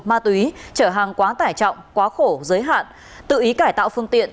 ma túy trở hàng quá tải trọng quá khổ giới hạn tự ý cải tạo phương tiện